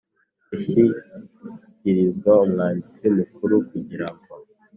ishyikirizwa Umwanditsi Mukuru kugira ngo